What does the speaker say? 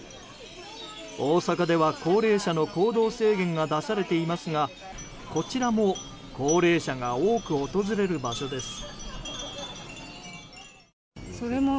大阪では、高齢者の行動制限が出されていますがこちらも高齢者が多く訪れる場所です。